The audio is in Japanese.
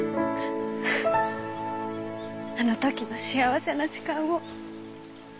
あの時の幸せな時間を。